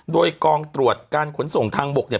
โดยกองตรวจการขนส่งทางบกเนี่ย